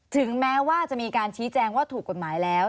ถึงแม้ว่าจะมีการชี้แจงว่าถูกกฎหมายแล้ว